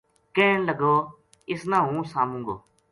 کہن لگو اس نا ہوں ساموں گو